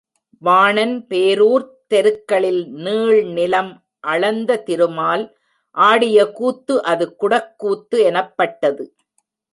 வாணன் பேரூர்த் தெருக்களில் நீள்நிலம் அளந்த திருமால் ஆடிய கூத்து அது குடக் கூத்து எனப்பட்டது.